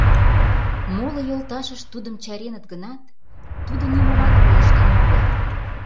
Моло йолташышт тудым чареныт гынат, тудо нимомат колыштын огыл.